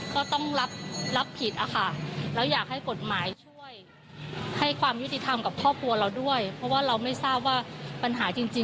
เขาไม่สามารถตอบโตอะไรได้ตอนนี้